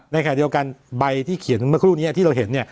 ในขณะเดียวกันใบที่เขียนเมื่อครู่นี้ที่เราเห็น